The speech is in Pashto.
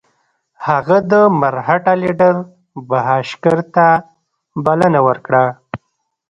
هغه د مرهټه لیډر بهاشکر ته بلنه ورکړه.